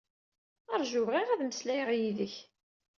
Ṛaju, bɣiɣ ad mmeslayeɣ yid-k.